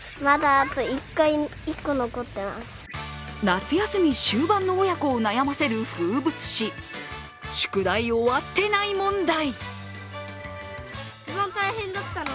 夏休み終盤の親子を悩ませる風物詩、宿題終わっていない問題。